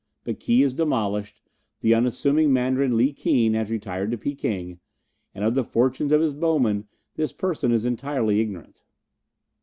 But Ki is demolished, the unassuming Mandarin Li Keen has retired to Peking, and of the fortunes of his bowmen this person is entirely ignorant."